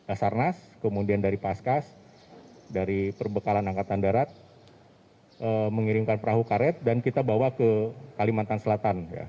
basarnas kemudian dari paskas dari perbekalan angkatan darat mengirimkan perahu karet dan kita bawa ke kalimantan selatan